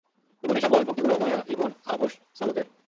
Ibn Hisham বলেন, পংক্তিগুলো Umayya Ibn আবুস সালত-এর।